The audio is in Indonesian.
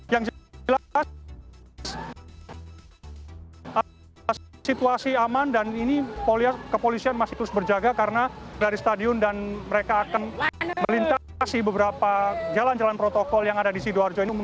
yang jelas situasi aman dan ini kepolisian masih terus berjaga karena dari stadion dan mereka akan melintasi beberapa jalan jalan protokol yang ada di sidoarjo ini